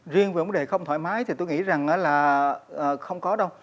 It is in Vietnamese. riêng về vấn đề không thoải mái thì tôi nghĩ rằng là không có đâu